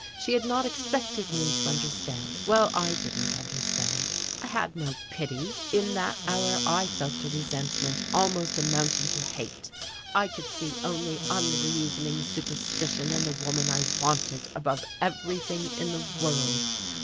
She had not expected me to understand. Well, I didn't understand, I had no pity, in that hour I felt a resentment almost amounting to hate; I could see only unreasoning superstition in the woman I wanted above everything in the world.